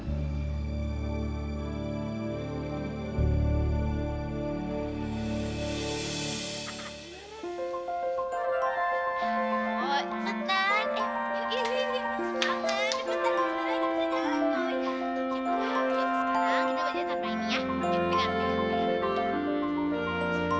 aku juga mau